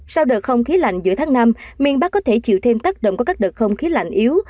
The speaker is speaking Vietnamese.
sau đợt không khí lạnh giữa tháng năm miền bắc có thể chịu thêm tác động của các đợt không khí lạnh yếu